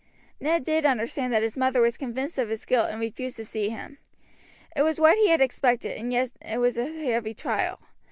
Ned did understand that his mother was convinced of his guilt and refused to see him; it was what he expected, and yet it was a heavy trial.